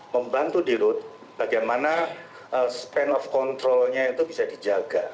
membantu di road bagaimana span of controlnya itu bisa dijaga